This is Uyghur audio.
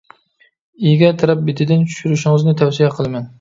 ئىگە تەرەپ بېتىدىن چۈشۈرۈشىڭىزنى تەۋسىيە قىلىمەن.